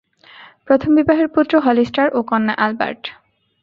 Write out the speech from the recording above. প্রথম বিবাহের পুত্র হলিস্টার ও কন্যা এলবার্ট।